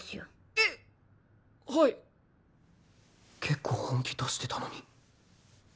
結構本気出してたのに